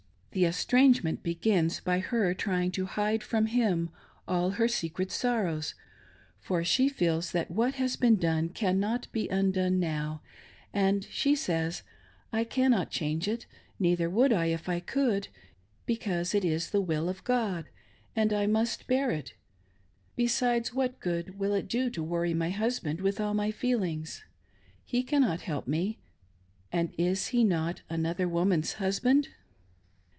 The estrangement begins by her trying to hide from him all her secret sorrows ; for she feels that what has been done can not be undone now, and she says, " I cannot change it ; neither would I if I could, because it is the will of God, and I must bear it ; besides, what good will it do to worry my husband with all my feelings .' He cannot help me ; and is he not an •other woman's husband